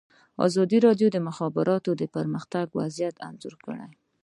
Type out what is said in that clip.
ازادي راډیو د د مخابراتو پرمختګ وضعیت انځور کړی.